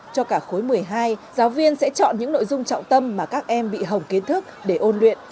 cho cả khối một mươi hai giáo viên sẽ chọn những nội dung trọng tâm mà các em bị hồng kiến thức để ôn luyện